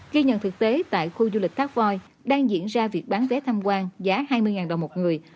ghi nhận thực tế tại khu du lịch thác voi đang diễn ra việc bán vé tham quan giá hai mươi đồng một người